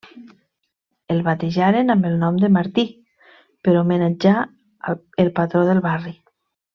El batejaren amb el nom de Martí per homenatjar el patró del barri.